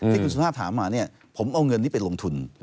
ที่คุณสุภาพถามมาเนี่ยผมเอาเงินนี้ไปลงทุน